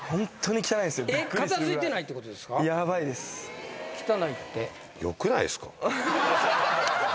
汚いって。